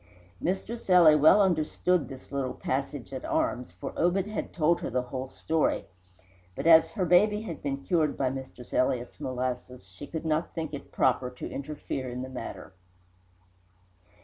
Mistress Ely well understood this little passage at arms, for Obed had told her the whole story; but as her baby had been cured by Mistress Elliott's molasses, she did not think it proper to interfere in the matter.